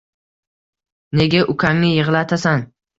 Nega ukangni yig‘latasan?